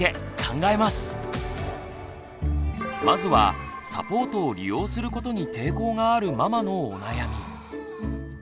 まずはサポートを利用することに抵抗があるママのお悩み。